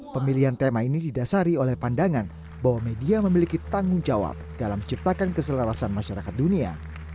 pemilihan tema ini didasari oleh pandangan bahwa media memiliki tanggung jawab dalam menciptakan keselarasan masyarakat dunia